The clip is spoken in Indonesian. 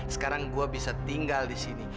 sekarang gue bisa tinggal disini